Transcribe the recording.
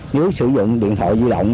nếu sử dụng điện thoại di động